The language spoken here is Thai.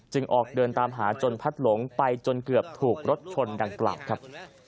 ออกเดินตามหาจนพัดหลงไปจนเกือบถูกรถชนดังกล่าวครับ